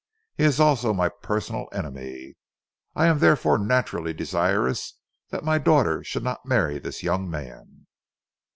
He is also my personal enemy. I am therefore naturally desirous that my daughter should not marry this young man."